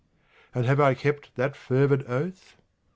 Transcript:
And have I kept that fervid oath?